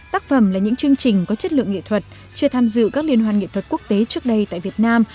tác phẩm là những chương trình có chất lượng nghệ thuật chưa tham dự các liên hoan nghệ thuật quốc tế trước đây tại việt nam